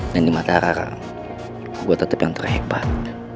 dan di matahari gue tetep yang terhebat